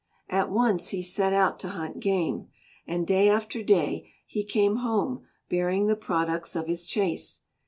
At once he set out to hunt game, and day after day he came home bearing the products of his chase.